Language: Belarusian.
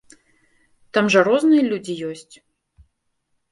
Там жа розныя людзі ёсць.